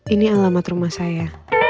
ini alamat rumah saya